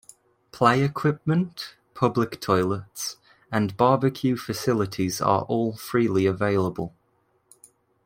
Play equipment, public toilets, and barbecue facilities are all freely available.